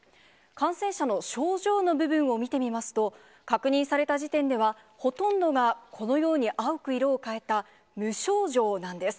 感染者の症状の部分を見てみますと、確認された時点では、ほとんどがこのように青く色を変えた無症状なんです。